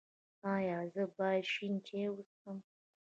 ایا زه باید شین چای وڅښم؟